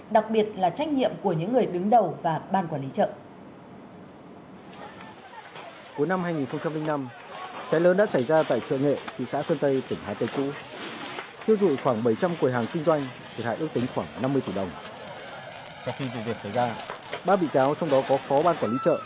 đặc biệt là trách nhiệm của những người đứng đầu và ban quản lý chợ